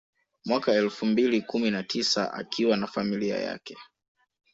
Mwaka elfu mbili kumi na tisa akiwa na familia yake